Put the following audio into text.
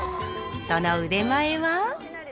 その腕前は？